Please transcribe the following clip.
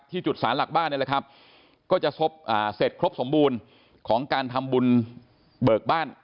จุดสารหลักบ้านนี่แหละครับก็จะเสร็จครบสมบูรณ์ของการทำบุญเบิกบ้าน